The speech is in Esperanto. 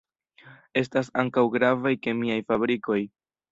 Estas ankaŭ gravaj kemiaj fabrikoj.